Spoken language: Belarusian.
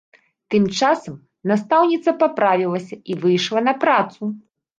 Тым часам, настаўніца паправілася і выйшла на працу.